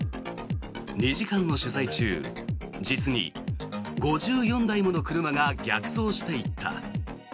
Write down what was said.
２時間の取材中実に５４台もの車が逆走していった。